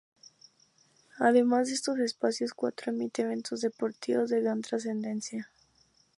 Además de estos espacios, Cuatro emite eventos deportivos de gran trascendencia.